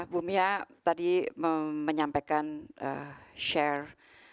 bumi ya tadi menyampaikan share